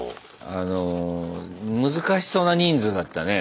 あの難しそうな人数だったね。